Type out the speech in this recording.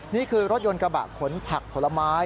นี่คือรถยนต์กระบะขนผักผลไม้